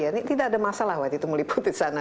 ini tidak ada masalah waktu itu meliputi sana